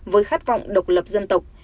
với khát vọng độc lập dân tộc